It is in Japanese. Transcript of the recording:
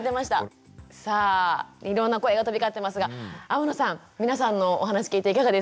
さあいろんな声が飛び交ってますが天野さん皆さんのお話聞いていかがですか？